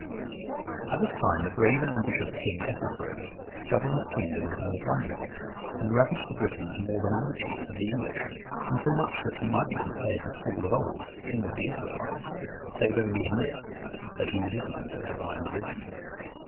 ] At this time, the brave and ambitious king, Ethelfrid,(139) governed the kingdom of the Northumbrians, and ravaged the Britons more than all the chiefs of the English, insomuch that he might be compared to Saul of old, king of the Israelites, save only in this, that he was ignorant of Divine religion.